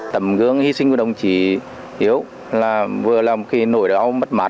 tầm gương hy sinh của đồng chí hiếu là vừa là một khi nỗi đau mất mát